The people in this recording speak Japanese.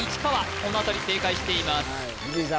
この辺り正解しています藤井さん